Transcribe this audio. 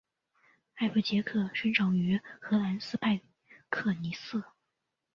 艾佛杰克生长于荷兰斯派克尼瑟。